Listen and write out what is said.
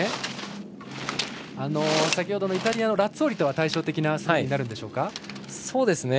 先ほどのイタリアのラッツォーリとは対照的な滑りになるんでしょうか。